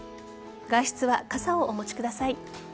外出は傘をお持ちください。